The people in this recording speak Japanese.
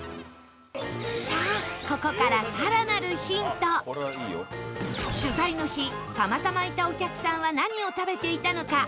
さあここから取材の日たまたまいたお客さんは何を食べていたのか？